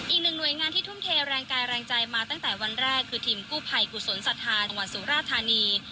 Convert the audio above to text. อีกหนึ่งหน่วยงานที่ทุ่มเทแรงกายแรงใจมาตั้งแต่วันแรกคือทีมกู้ภัยกุศลศรัทธาจังหวัดสุราธานี